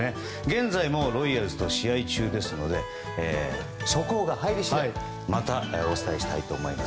現在もロイヤルズと試合中ですので速報が入り次第またお伝えしたいと思います。